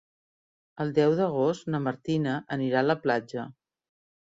El deu d'agost na Martina anirà a la platja.